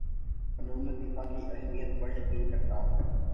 فنون لطیفہ کی اہمیت پر یقین کرتا ہوں